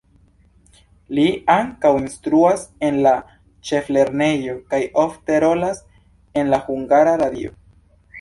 Li ankaŭ instruas en la ĉeflernejo kaj ofte rolas en la Hungara Radio.